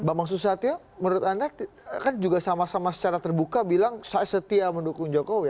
bambang susatyo menurut anda kan juga sama sama secara terbuka bilang saya setia mendukung jokowi